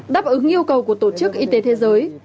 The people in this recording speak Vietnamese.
đáp ứng yêu cầu của tổ chức y tế thế giới